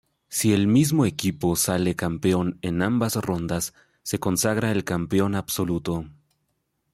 Si el mismo equipo sale campeón en ambas rondas, se consagra el campeón absoluto.